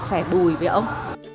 sẻ bùi với ông